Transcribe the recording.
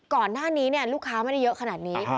ก่อนหน้านี้ลูกค้าไม่ได้เยอะขนาดนี้